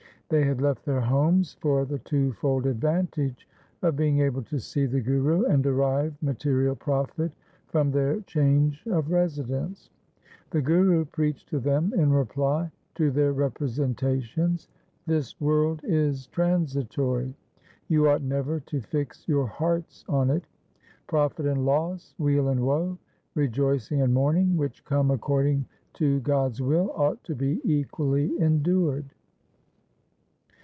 They had left their homes for the twofold advantage of being able to see the Guru and derive material profit from their change of residence. The Guru preached to them in reply to their representations — LIFE OF GURU TEG BAHADUR 339 ' This world is transitory. You ought never to fix your hearts on it. Profit and loss, weal and woe, rejoicing and mourning, which come according to God's will, ought to be equally endured.